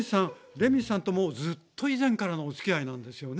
レミさんともうずっと以前からのおつきあいなんですよね。